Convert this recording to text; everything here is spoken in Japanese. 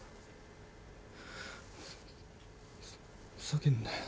ふざけんなよ